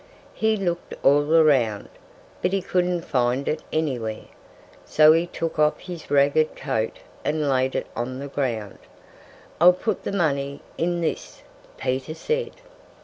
He looked all around, but he couldn't find it anywhere. So he took off his ragged coat and laid it on the ground. "I'll put the money in this!" Peter said.